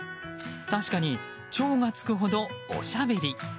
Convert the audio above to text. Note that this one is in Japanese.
確かに超がつくほどおしゃべり。